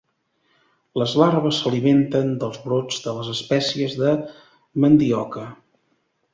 Les larves s'alimenten dels brots de les espècies de mandioca.